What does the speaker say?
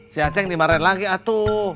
si a dep terdingin lagi atu